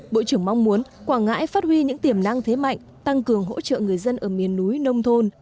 bộ trưởng mong muốn quảng ngãi phát huy những tiềm năng thế mạnh tăng cường hỗ trợ người dân ở miền núi nông thôn